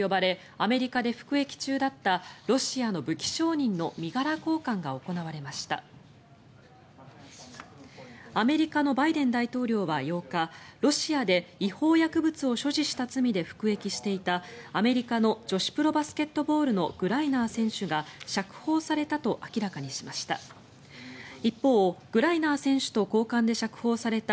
アメリカのバイデン大統領は８日ロシアで違法薬物を所持した罪で服役していたアメリカの女子プロバスケットボールのグライナー選手が釈放されたと明らかにしました。